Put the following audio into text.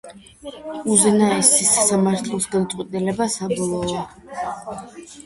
უზენაესი სასამართლოს გადაწყვეტილება საბოლოოა.